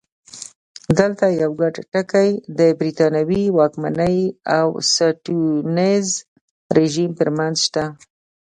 دلته یو ګډ ټکی د برېټانوي واکمنۍ او سټیونز رژیم ترمنځ شته.